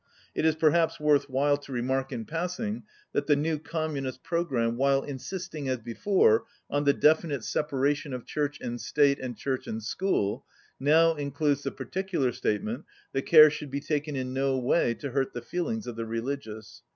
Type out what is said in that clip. It is perhaps worth while to remark in passing that the new Communist programme, while insisting, as before, on the definite separation of church and state, and church and school, now in cludes the particular statement that "care should be taken in no way to hurt the feelings of the re ligious."